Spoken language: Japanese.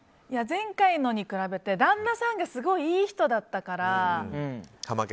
前回のに比べて旦那さんがすごいいい人だったから。